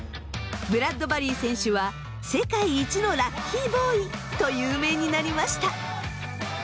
ブラッドバリー選手は世界一のラッキーボーイと有名になりました。